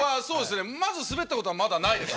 まずスベったことはまだないですね。